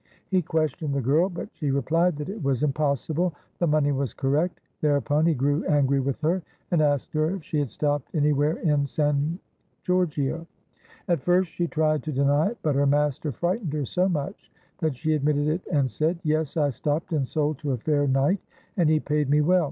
He questioned the girl, but she repHed that it was im possible; the money was correct. Thereupon he grew angry with her and asked her if she had stopped any where in San Giorgio. At first she tried to deny it, but her master frightened her so much that she admitted it and said :— "Yes, I stopped and sold to a fair knight, and he paid me well.